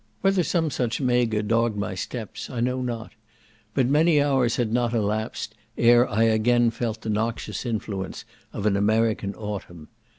Whether some such maga dogged my steps, I know not, but many hours had not elapsed ere I again felt the noxious influence of an American autumn.